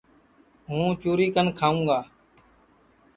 ہوں چُری کن کھاوں گا